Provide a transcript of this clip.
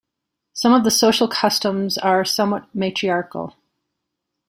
Some of the social customs are somewhat matriarchal.